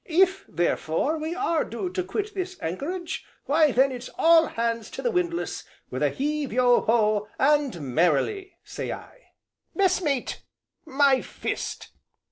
If, therefore, we are due to quit this anchorage, why then it's all hands to the windlass with a heave yo ho, and merrily! say I. Messmate, my fist!"